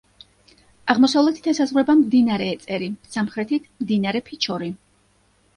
აღმოსავლეთით ესაზღვრება მდინარე ეწერი, სამხრეთით მდინარე ფიჩორი.